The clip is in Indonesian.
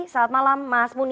selamat malam mas budi